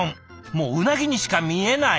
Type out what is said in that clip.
もううなぎにしか見えない。